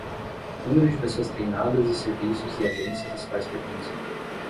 Número de pessoas treinadas e serviços e agências às quais pertencem.